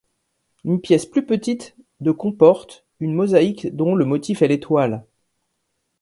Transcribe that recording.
Une pièce plus petite de comporte une mosaïque dont le motif est l'étoile.